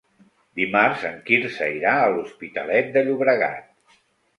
Dimarts en Quirze irà a l'Hospitalet de Llobregat.